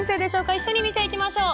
一緒に見ていきましょう。